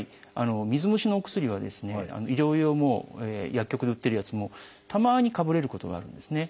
水虫のお薬は医療用も薬局で売ってるやつもたまにかぶれることがあるんですね。